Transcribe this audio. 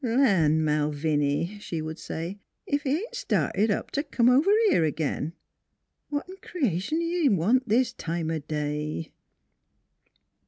"Land, Malviny!" she would say, " ef he ain't started up t' come over here ag'in. What in creation c'n he want this time o' day?"